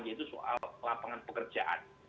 yaitu soal lapangan pekerjaan